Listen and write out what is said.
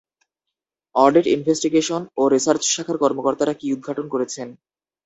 Audit investigation ও research শাখার কর্মকর্তারা কি উদঘাটন করেছেন?